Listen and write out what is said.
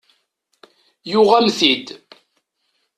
Yuɣ-am-t-id.